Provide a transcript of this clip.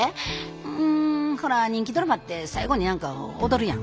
うんほら人気ドラマって最後に何か踊るやん。